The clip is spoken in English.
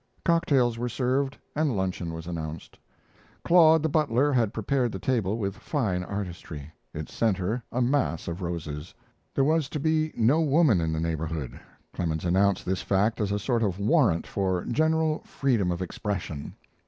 Cocktails were served and luncheon was announced. Claude, the butler, had prepared the table with fine artistry its center a mass of roses. There was to be no woman in the neighborhood Clemens announced this fact as a sort of warrant for general freedom of expression.